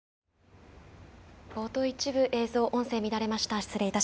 冒頭、一部映像と音声が乱れました。